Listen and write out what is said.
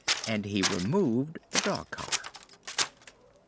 And he removed the dog collar.